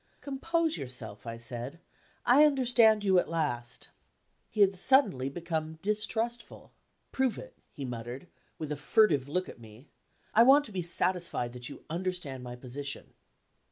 "Compose yourself," I said, "I understand you at last." He had suddenly become distrustful. "Prove it," he muttered, with a furtive look at me. "I want to be satisfied that you understand my position."